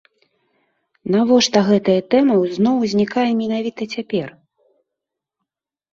Навошта гэтая тэма зноў узнікае менавіта цяпер?